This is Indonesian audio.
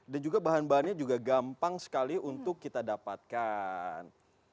dan juga bahan bahannya juga gampang sekali untuk kita dapatkan